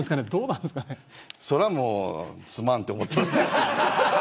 それはもうすまんと思っている。